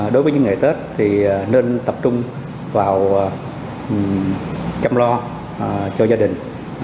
đối với những ngày tết thì nên tập trung vào chăm lo cho gia đình